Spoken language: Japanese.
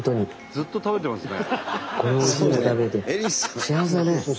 ずっと食べてますね。